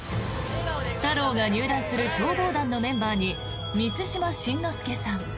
太郎が入団する消防団のメンバーに満島真之介さん